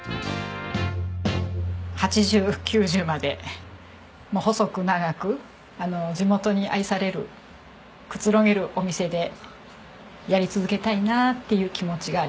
８０９０まで細く長く地元に愛されるくつろげるお店でやり続けたいなっていう気持ちがあります。